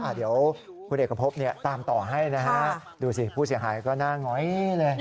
เดี๋ยวคุณเอกพบตามต่อให้นะฮะดูสิผู้เสียหายก็หน้าง้อยเลย